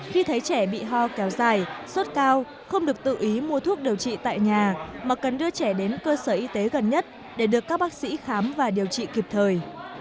khi thấy trẻ bị ho kéo dài suốt cao không được tự ý mua thuốc điều trị tại nhà mà cần đưa trẻ đến cơ sở y tế gần nhất để được các bác sĩ khám và điều trị kịp thời